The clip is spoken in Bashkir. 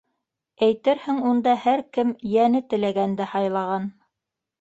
Әйтерһең, унда һәр кем йәне теләгәнде һайлаған!